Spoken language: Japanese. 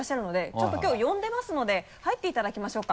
ちょっときょう呼んでますので入っていただきましょうか。